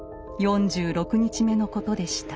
４６日目のことでした。